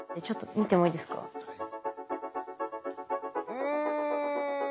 うん。